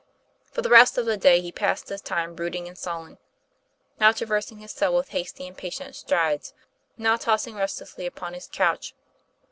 For the rest of the day he passed his time brood ing and sullen, now traversing his cell with hasty, impatient strides, now tossing restlessly upon his couch.